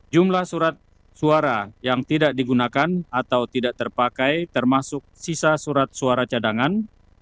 jumlah surat suara yang tidak digunakan atau tidak terpakai termasuk sisa surat suara cadangan